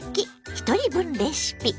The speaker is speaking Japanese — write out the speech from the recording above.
ひとり分レシピ」。